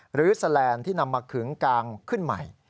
หรือแซลนที่นำมาถึงกลางขึ้นใหม่